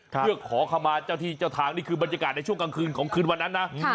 เพื่อขอขมาเจ้าที่เจ้าทางนี่คือบรรยากาศในช่วงกลางคืนของคืนวันนั้นนะ